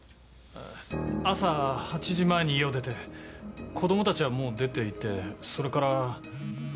朝８時前に家を出て子供たちはもう出ていてそれから。